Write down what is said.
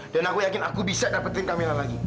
dan aku yakin aku bisa dapetin kamila lagi